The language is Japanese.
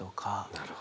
なるほど。